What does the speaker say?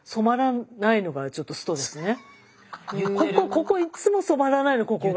ここいっつも染まらないのここが。